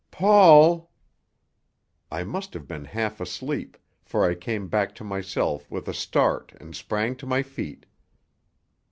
"Paul!" I must have been half asleep, for I came back to myself with a start and sprang to my feet.